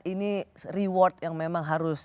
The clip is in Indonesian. ini reward yang memang harus